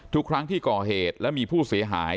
ทุกครั้งที่ก่อเหตุและมีผู้เสียหาย